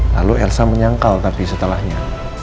lalu elsa menyangkal tadi setelahnya